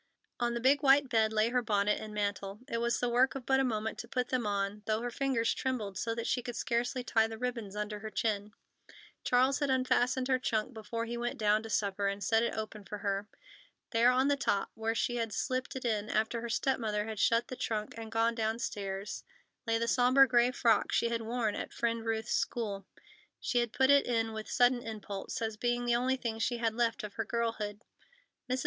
On the big white bed lay her bonnet and mantle. It was the work of but a moment to put them on, though her fingers trembled so that she could scarcely tie the ribbons under her chin. Charles had unfastened her trunk before he went down to supper, and set it open for her. There on the top, where she had slipped it in after her step mother had shut the trunk and gone downstairs, lay the sombre gray frock she had worn at Friend Ruth's school. She had put it in with sudden impulse, as being the only thing she had left of her girlhood. Mrs.